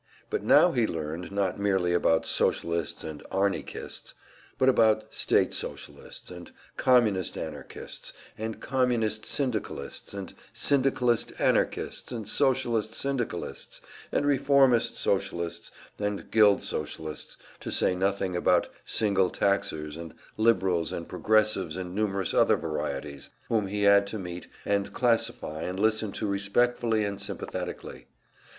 But now he learned, not merely about Socialists and "Arnychists," but about State Socialists and Communist Anarchists, and Communist Syndicalists and Syndicalist Anarchists and Socialist Syndicalists, and Reformist Socialists and Guild Socialists, to say nothing about Single Taxers and Liberals and Progressives and numerous other varieties, whom he had to meet and classify and listen to respectfully and sympathetically.